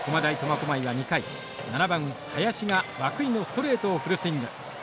苫小牧は２回７番林が涌井のストレートをフルスイング。